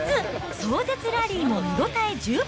壮絶ラリーも見応え十分！